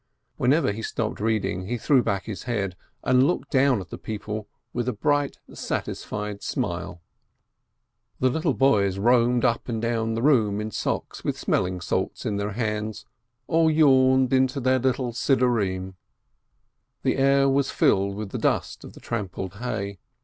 Whenever he stopped reading, he threw back his head, and looked down at the people with a bright, satisfied smile. The little boys roamed up and down the room in socks, with smelling salts in their hands, or yawned into their little prayer books. The air was filled with the dust of the trampled hay.